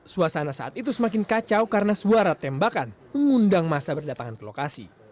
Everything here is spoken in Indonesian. suasana saat itu semakin kacau karena suara tembakan mengundang masa berdatangan ke lokasi